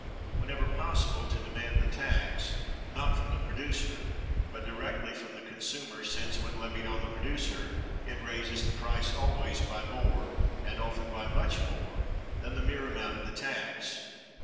Whenever possible, to demand the tax, not from the producer, but directly from the consumer, since, when levied on the producer, it raises the price always by more, and often by much more, than the mere amount of the tax.